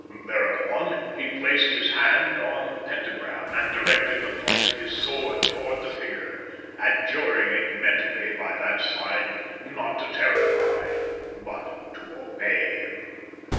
Thereupon, he placed his hand on the Pentagram, and directed the point of his sword toward the figure, adjuring it mentally by that sign not to terrify, but to obey him.